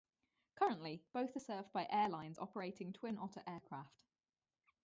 Currently, both are served by airlines operating Twin Otter aircraft.